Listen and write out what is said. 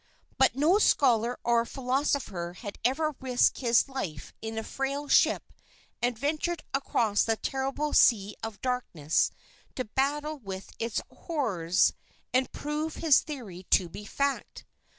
But no scholar or philosopher had ever risked his life in a frail ship and ventured across the terrible Sea of Darkness to battle with its horrors, and prove his theory to be fact.